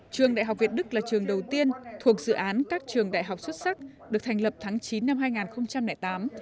trường đại học việt đức là trường đầu tiên thuộc dự án các trường đại học xuất sắc được thành lập tháng chín năm hai nghìn tám